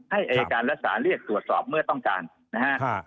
ให้อายการและสารเรียกสวดสอบเมื่อต้องการนะฮะ